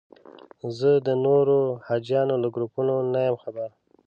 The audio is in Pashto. زه د نورو حاجیانو له ګروپونو نه یم خبر.